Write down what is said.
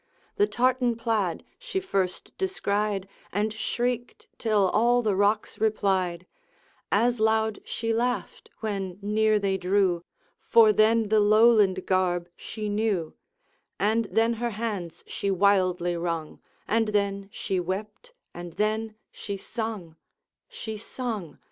The tartan plaid she first descried, And shrieked till all the rocks replied; As loud she laughed when near they drew, For then the Lowland garb she knew; And then her hands she wildly wrung, And then she wept, and then she sung She sung!